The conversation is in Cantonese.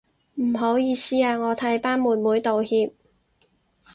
唔好意思啊，我替班妹妹道歉